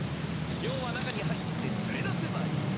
ようは中に入ってつれ出せばいい。